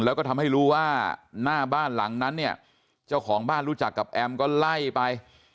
แล้วก็ทำให้รู้ว่าหน้าบ้านหลังนั้นเนี่ยเจ้าของบ้านรู้จักกับแอมก็ไล่ไป